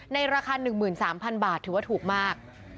ในราคาหนึ่งหมื่นสามพันบาทถือว่าถูกมาก